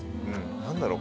何だろう？